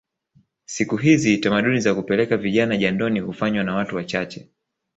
Siku hizi tamaduni za kupeleka vijana jandoni hufanywa na watu wachache